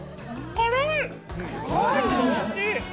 辛いけどおいしい！